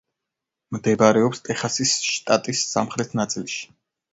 მდებარეობს ტეხასის შტატის სამხრეთ ნაწილში.